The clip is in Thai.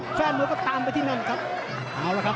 แฟนมือก็ตามไปที่นั่นครับ